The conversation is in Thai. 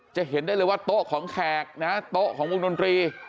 จะเห็นได้เลยว่าโต๊ะของแขกนะโต๊ะของวงดนตรี